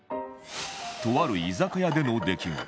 とある居酒屋での出来事